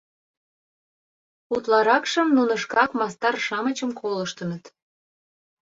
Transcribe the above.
Утларакшым нуно шкак мастар-шамычым колыштыныт.